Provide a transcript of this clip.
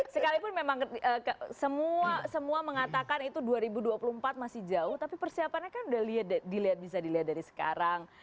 sekalipun memang semua mengatakan itu dua ribu dua puluh empat masih jauh tapi persiapannya kan udah bisa dilihat dari sekarang